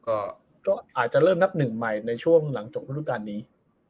ก็อาจจะเริ่มนับหนึ่งใหม่ในช่วงหลังจบฤดูการนี้